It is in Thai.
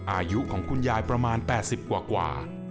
อายุของคุณยายประมาณ๘๐กว่า